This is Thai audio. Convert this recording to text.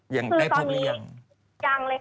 คือตอนนี้ยังเลยค่ะ